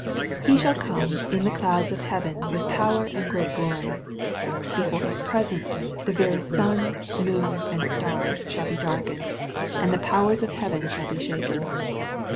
He shall come *4n the clouds of heaven with power and great glory." Before His pre sence the very sun, moon, and stars shall be darkened, and '^ the powers of heaven shall be shaken.''